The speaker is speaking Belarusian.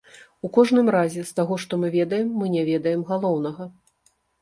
У кожным разе, з таго, што мы ведаем, мы не ведаем галоўнага.